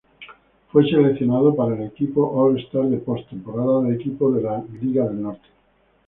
Fue seleccionado para el equipo All-Star de Post-Temporada Equipo de la Northwest League.